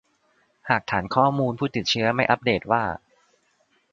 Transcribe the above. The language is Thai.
หากฐานข้อมูลผู้ติดเชื้อไม่อัปเดตว่า